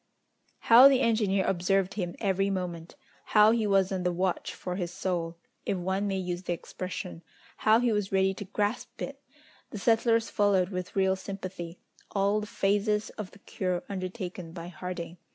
How the engineer observed him every moment! How he was on the watch for his soul, if one may use the expression! How he was ready to grasp it! The settlers followed with real sympathy all the phases of the cure undertaken by Harding.